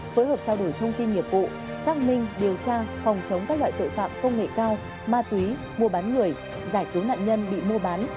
phối hợp trao đổi thông tin nghiệp vụ xác minh điều tra phòng chống các loại tội phạm công nghệ cao ma túy mua bán người giải cứu nạn nhân bị mua bán